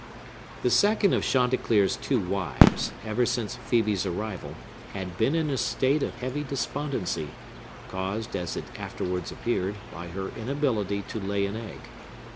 The second of Chanticleer's two wives, ever since Phœbe's arrival, had been in a state of heavy despondency, caused, as it afterwards appeared, by her inability to lay an egg.